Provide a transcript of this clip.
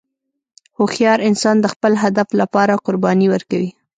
هوښیار انسان د خپل هدف لپاره قرباني ورکوي.